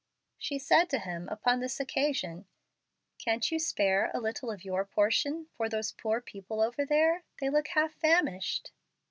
She said to him, upon this occasion, "Can't you spare a little of your portion for those poor people over there? They look half famished."